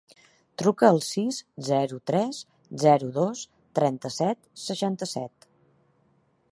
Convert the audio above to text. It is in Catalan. Truca al sis, zero, tres, zero, dos, trenta-set, seixanta-set.